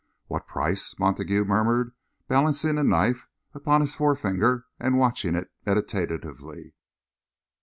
"What price?" Montague murmured, balancing a knife upon his forefinger and watching it meditatively.